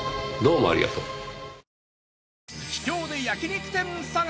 どうもありがとう。